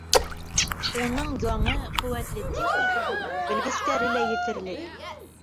— Уның яңы, ҡеүәтле техникаһы ла, белгестәре лә етерлек.